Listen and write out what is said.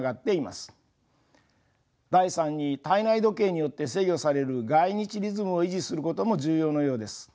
第３に体内時計によって制御される概日リズムを維持することも重要のようです。